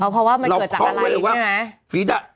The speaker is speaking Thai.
เพราะว่ามันเกิดจากอะไรใช่ไหม